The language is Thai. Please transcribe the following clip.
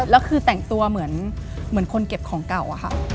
แล้วคือแต่งตัวเหมือนคนเก็บของเก่าอะค่ะ